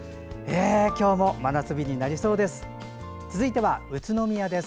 今日も真夏日になりそうです。